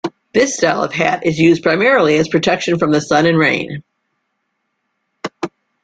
This style of hat is used primarily as protection from the sun and rain.